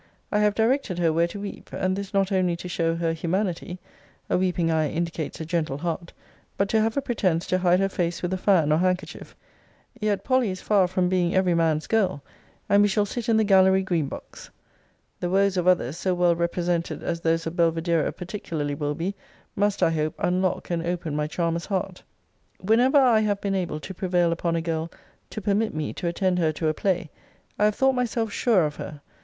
I have directed her where to weep: and this not only to show her humanity, [a weeping eye indicates a gentle heart,] but to have a pretence to hide her face with a fan or handkerchief. Yet Polly is far from being every man's girl; and we shall sit in the gallery green box. The woes of others, so well represented as those of Belvidera particularly will be, must, I hope, unlock and open my charmer's heart. Whenever I have been able to prevail upon a girl to permit me to attend her to a play, I have thought myself sure of her.